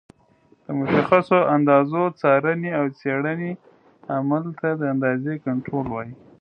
د مشخصو اندازو څارنې او څېړنې عمل ته د اندازې کنټرول وایي.